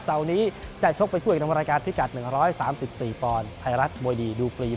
เสาร์นี้จะชกเป็นคู่เอกนำรายการพิกัด๑๓๔ปอนด์ไทยรัฐมวยดีดูฟรี